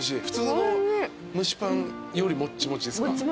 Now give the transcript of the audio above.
普通の蒸しパンよりもっちもちですか？